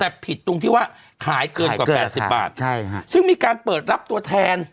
แต่ผิดตรงที่ว่าขายเกินกว่า๘๐บาทใช่ฮะซึ่งมีการเปิดรับตัวแทน